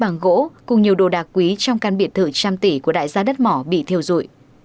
bằng gỗ cùng nhiều đồ đạc quý trong căn biệt thự trăm tỷ của đại gia đất mỏ bị thiêu dụi